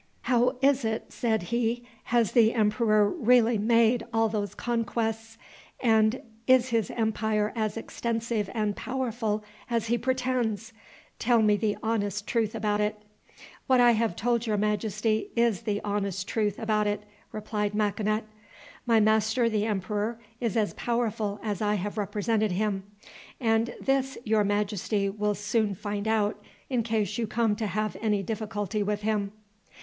"How is it?" said he; "has the emperor really made all those conquests, and is his empire as extensive and powerful as he pretends? Tell me the honest truth about it." "What I have told your majesty is the honest truth about it," replied Makinut. "My master the emperor is as powerful as I have represented him, and this your majesty will soon find out in case you come to have any difficulty with him."